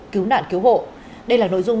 cứu nạn cứu hộ đây là nội dung